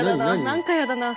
何かやだな。